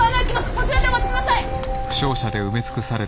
そちらでお待ちください！